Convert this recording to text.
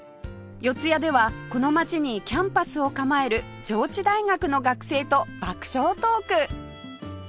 四谷ではこの街にキャンパスを構える上智大学の学生と爆笑トーク！